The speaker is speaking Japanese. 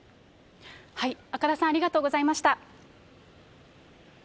赤田さん、ありがとうございました。